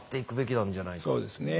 そうですね。